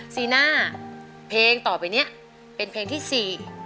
ซีน่าเพลงต่อไปเนี้ยเป็นเพลงที่สี่